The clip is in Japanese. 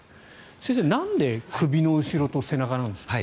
先生、なんで首の後ろと背中なんですか？